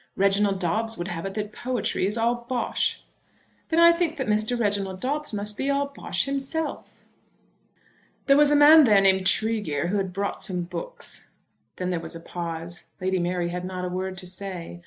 Reginald Dobbes would have it that poetry is all bosh." "Then I think that Mr. Reginald Dobbes must be all bosh himself." "There was a man there named Tregear who had brought some books." Then there was a pause. Lady Mary had not a word to say.